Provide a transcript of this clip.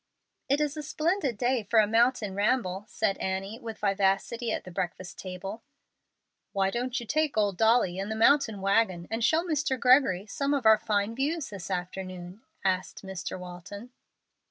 "It is a splendid day for a mountain ramble," said Annie, with vivacity, at the breakfast table. "Why don't you take old Dolly and the mountain wagon, and show Mr. Gregory some of our fine views this afternoon?" asked Mr. Walton.